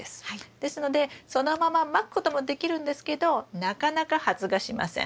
ですのでそのまままくこともできるんですけどなかなか発芽しません。